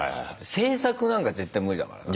制作なんか絶対無理だからね。